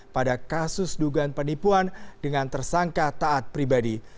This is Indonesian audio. pada kasus dugaan penipuan dengan tersangka taat pribadi